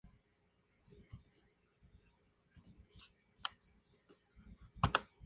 Play Orbit.